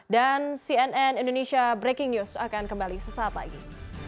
dan cnn indonesia breaking news akan kembali sesaat lagi